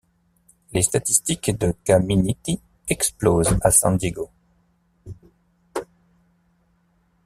Les statistiques de Caminiti explosent à San Diego.